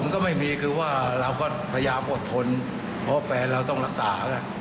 ก็ไม่มีคือว่าเราก็พยายามอดทนเพราะแฟนเราต้องรักษา